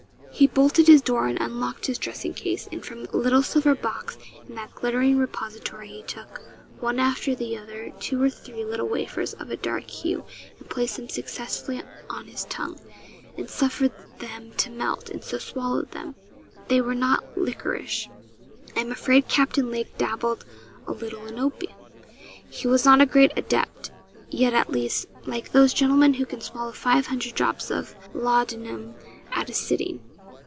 He bolted his door and unlocked his dressing case, and from a little silver box in that glittering repository he took, one after the other, two or three little wafers of a dark hue, and placed them successively on his tongue, and suffered them to melt, and so swallowed them. They were not liquorice. I am afraid Captain Lake dabbled a little in opium. He was not a great adept yet, at least like those gentlemen who can swallow five hundred drops of laudanum at a sitting.